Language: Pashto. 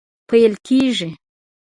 پیل کیږي